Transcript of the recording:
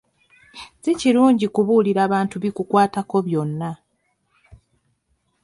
Si kirungi kubuulira bantu bikukwatako byonna.